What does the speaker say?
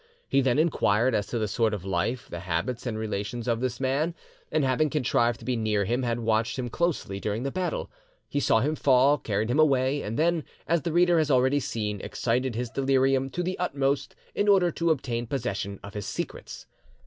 He then inquired as to the sort of life, the habits and relations of, this man, and having contrived to be near him, had watched him closely during the battle. He saw him fall, carried him away, and then, as the reader has already seen, excited his delirium to the utmost in order to obtain possession of his secrets.